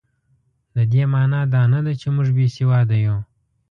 د دې مانا دا نه ده چې موږ بې سواده یو.